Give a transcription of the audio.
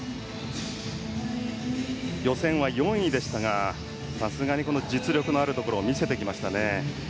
予選は４位でしたがさすがに実力のあるところを見せてきましたね。